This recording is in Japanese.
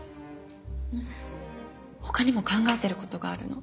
他にも考えてる事があるの。